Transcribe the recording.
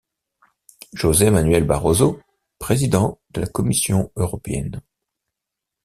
José Manuel Barroso, président de la Commission européenne.